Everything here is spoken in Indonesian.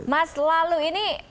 mas lalu ini